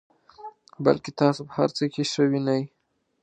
بلکې تاسو په هر څه کې ښه وینئ.